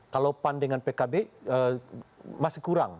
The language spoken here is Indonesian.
kalau pan dengan pkb masih kurang